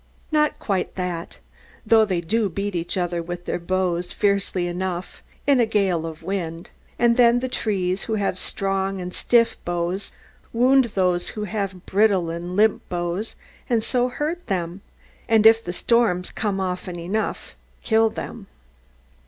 Not quite that; though they do beat each other with their boughs, fiercely enough, in a gale of wind; and then the trees who have strong and stiff boughs wound those who have brittle and limp boughs, and so hurt them, and if the storms come often enough, kill them.